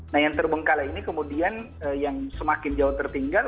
nah yang terbengkalai ini kemudian yang semakin jauh tertinggal